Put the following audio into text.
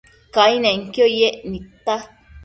Cainenquio yec nidta